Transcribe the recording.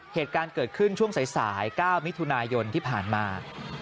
เหตุการณ์เกิดขึ้นช่วงสาย๙มิถุนายนที่ผ่านมา